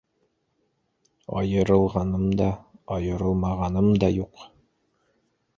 Айырылғаным да, айырылмағаным да юҡ.